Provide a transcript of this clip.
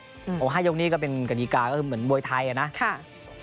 เพราะว่า๕ยกนี่ก็เป็นกฎีการเหมือนบวยไทยอ่ะนะค่ะค่ะ